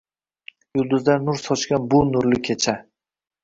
Yulduzlar nur sochgan bu nurli kecha